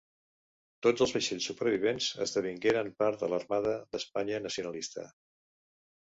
Tots els vaixells supervivents esdevingueren part de l'Armada d'Espanya Nacionalista.